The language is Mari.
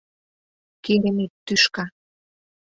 Керемет тӱшка!